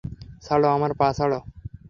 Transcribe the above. ছাড়ো, আমার পা ছাড়ো!